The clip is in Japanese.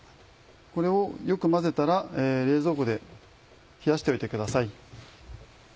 これをよく混ぜたら冷蔵庫で冷やしておいてください。